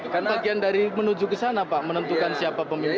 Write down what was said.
nah itu bagian dari menuju ke sana pak menentukan siapa pemimpinnya